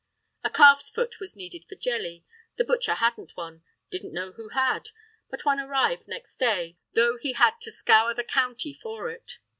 A calf's foot was needed for jelly. The butcher hadn't one, didn't know who had; but one arrived next day, though he had had to scour the county for it.